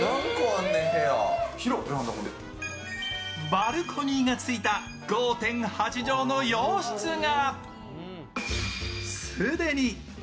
バルコニーがついた５．８畳の洋室が。